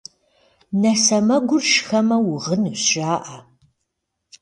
Нэ сэмэгур шхэмэ, угъынущ, жаӏэ.